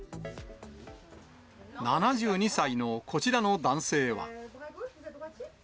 ７２歳のこちらの男性は。